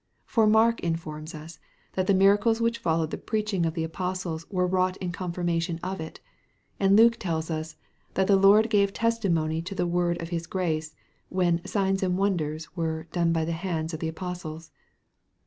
For Mark informs us, that the miracles which followed the preaching of the apostles were wrought in confirmation of it, and Luke tells us, that "the Lord gave testimony to the word of his grace," when "signs and wonders" were "done by the hands" of the apostles.